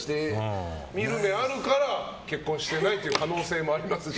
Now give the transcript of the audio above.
見る目あるから結婚してない可能性もありますし。